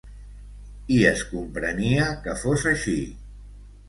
I es comprenia que fos així.